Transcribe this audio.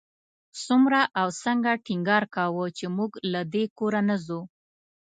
څومره او څنګه ټینګار کاوه چې موږ له دې کوره نه ځو.